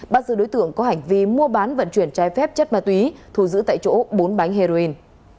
bắt giữ đối tượng có hành vi mua bán vận chuyển trái phép chất ma túy thù giữ tại chỗ bốn bánh heroin